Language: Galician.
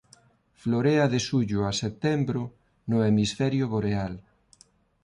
Florea de xullo a setembro no hemisferio boreal.